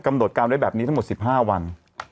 กำหนดการไว้แบบนี้ทั้งหมด๑๕วัน